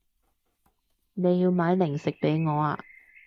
你要買零食畀我啊